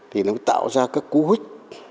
thì nó tạo ra các cú hút